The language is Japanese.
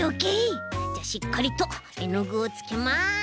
じゃあしっかりとえのぐをつけます。